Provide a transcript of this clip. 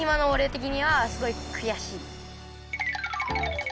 てきにはすごいくやしい。